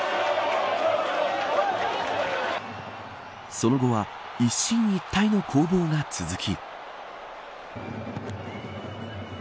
その後は一進一退の攻防が続き。